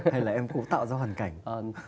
hay là em cũng tạo ra hoàn cảnh